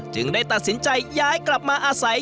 ได้ตัดสินใจย้ายกลับมาอาศัย